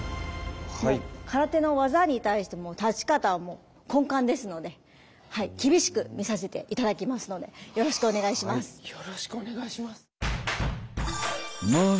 空手の技に対して立ち方は根幹ですので厳しく見させて頂きますのでよろしくお願いします。